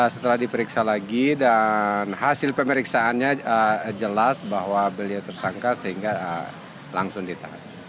setelah diperiksa lagi dan hasil pemeriksaannya jelas bahwa beliau tersangka sehingga langsung ditahan